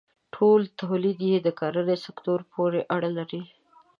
ټول تولید یې د کرنې سکتور پورې اړه لري.